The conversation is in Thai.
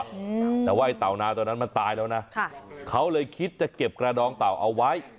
อืมแต่ว่าไอ้เต่านาตัวนั้นมันตายแล้วนะค่ะเขาเลยคิดจะเก็บกระดองเต่าเอาไว้